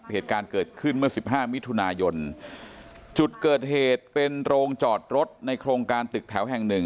เหตุการณ์เกิดขึ้นเมื่อสิบห้ามิถุนายนจุดเกิดเหตุเป็นโรงจอดรถในโครงการตึกแถวแห่งหนึ่ง